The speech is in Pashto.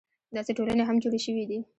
داسې ټولنې هم جوړې شوې دي.